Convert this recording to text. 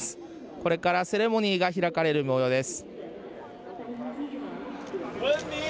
これからセレモニーが開かれるもようです。